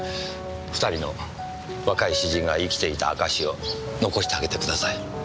二人の若い詩人が生きていた証しを残してあげてください。